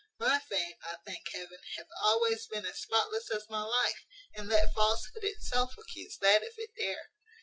My fame, I thank heaven, hath been always as spotless as my life; and let falsehood itself accuse that if it dare.